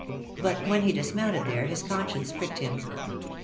But when he dismounted there, his conscience pricked him.